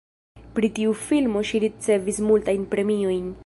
Pri tiu filmo ŝi ricevis multajn premiojn.